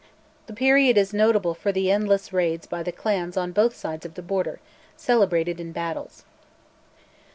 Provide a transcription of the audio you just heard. The period was notable for the endless raids by the clans on both sides of the Border, celebrated in ballads.